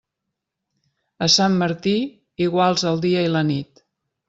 A Sant Martí, iguals el dia i la nit.